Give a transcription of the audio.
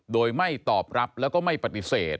โดยไม่ตอบรับแล้วก็ไม่ปฏิเสธ